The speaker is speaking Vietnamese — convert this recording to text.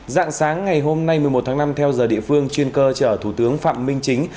dạng sáng ngày hôm nay một mươi một tháng năm theo giờ địa phương chuyên cơ chở thủ tướng phạm minh chính